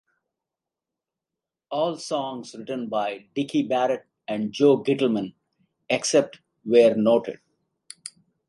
All songs written by Dicky Barrett and Joe Gittleman, except where noted.